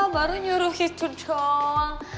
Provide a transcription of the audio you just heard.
baru nyuruh itu dong